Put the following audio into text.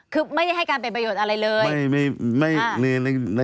คือไม่ได้ให้การเป็นประโยชน์อะไรเลย